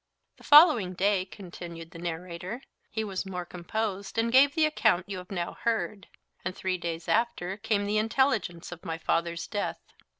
"The following day," continued the narrator, "he was more composed, and gave the account you have now heard; and three days after came the intelligence of my father's death.